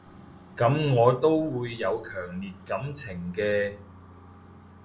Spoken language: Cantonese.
噉我都會有強烈感情嘅